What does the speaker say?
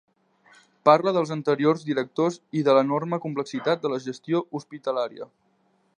Parla dels anteriors directors i de l'enorme complexitat de la gestió hospitalària.